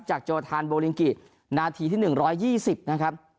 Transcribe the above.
โจทานโบลิงกินาทีที่๑๒๐นะครับ